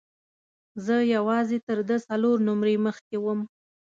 زه یوازې تر ده څلور نمرې مخکې وم.